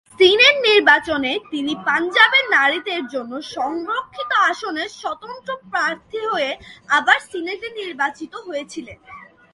Senate নির্বাচনে তিনি পাঞ্জাবের নারীদের জন্য সংরক্ষিত আসনে স্বতন্ত্র প্রার্থী হয়ে আবার সিনেটে নির্বাচিত হয়েছিলেন।